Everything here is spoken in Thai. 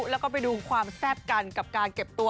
แล้วก็ไปดูความแซ่บกันกับการเก็บตัว